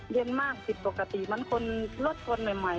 เย็นมากผิดปกติเหมือนคนรถชนใหม่